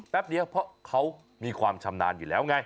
แป๊บเดียวเพราะเขามีความชำนาญอยู่แล้วไง